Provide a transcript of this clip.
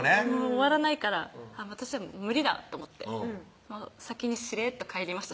終わらないから私は無理だと思って先にしれっと帰りました